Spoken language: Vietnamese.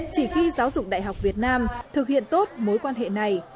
chỉ khi giáo dục đại học việt nam thực hiện tốt mối quan hệ này